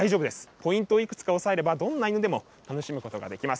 ポイントをいくつか押さえれば、どんな犬でも楽しむことができます。